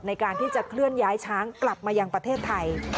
ในการที่จะเคลื่อนย้ายช้างกลับมายังประเทศไทย